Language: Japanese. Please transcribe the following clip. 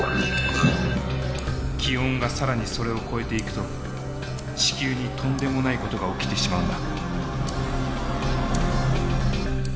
気温が更にそれを超えていくと地球にとんでもないことが起きてしまうんだ。